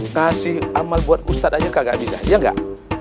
ngasih amal buat ustadz aja kagak bisa ya enggak